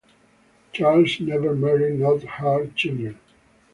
Charles never married nor had children.